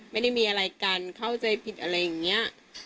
ไม่ได้มีอะไรกันเข้าใจผิดอะไรอย่างนี้